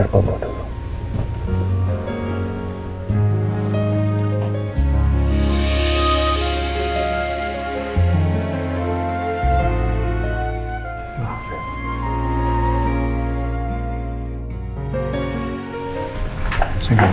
biar gue bawa dulu